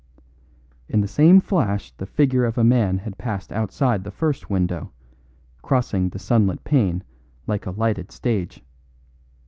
In the same flash the figure of a man had passed outside the first window, crossing the sunlit pane like a lighted stage.